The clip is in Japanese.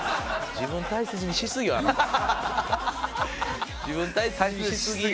自分大切にしすぎ！